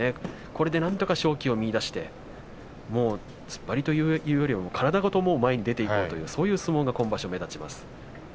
これでなんとか勝機を見いだして突っ張りというよりは体ごと前に出ていく相撲が今場所、目立ちますね。